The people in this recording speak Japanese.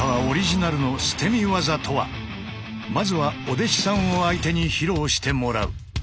まずはお弟子さんを相手に披露してもらう。